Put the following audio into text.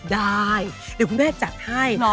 ได้เดี๋ยวคุณแม่จัดให้